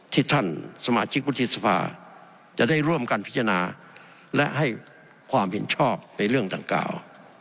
ที่ท่านสมาชิกวุฒิสภาจะได้ร่วมกันพิจารณาและให้ความเห็นชอบในเรื่องดังกล่าว